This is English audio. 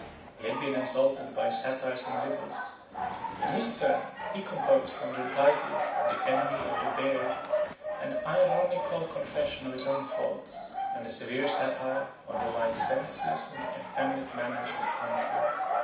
He had been insulted by satires and libels; in his turn, he composed, under the title of the Enemy of the Beard, an ironical confession of his own faults, and a severe satire on the licentious and effeminate manners of Antioch.